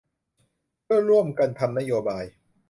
เพื่อร่วมกันทำนโยบาย